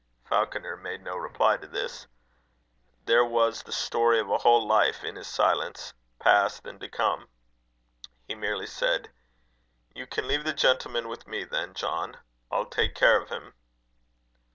Falconer made no reply to this. There was the story of a whole life in his silence past and to come. He merely said: "You can leave the gentleman with me, then, John. I'll take care of him."